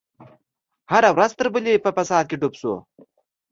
هره ورځ تر بلې په فساد کې ډوب شو.